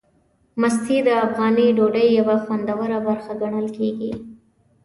مستې د افغاني ډوډۍ یوه خوندوره برخه ګڼل کېږي.